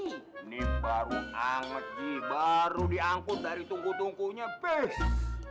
ini baru anget baru diangkut dari tungku tungkunya pes